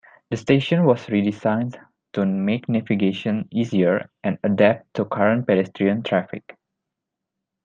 The station was redesigned to make navigation easier and adapt to current pedestrian traffic.